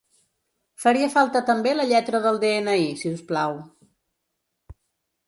Faria falta també la lletra del de-ena-i, si us plau,.